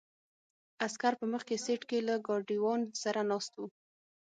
عسکر په مخکې سیټ کې له ګاډیوان سره ناست وو.